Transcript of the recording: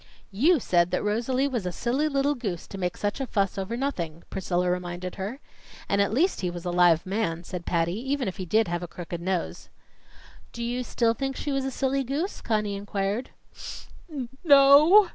"You said that Rosalie was a silly little goose to make such a fuss over nothing," Priscilla reminded her. "And at least he was a live man," said Patty, "even if he did have a crooked nose." "Do you still think she was a silly goose?" Conny inquired. "N no!"